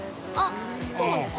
◆そうなんですか？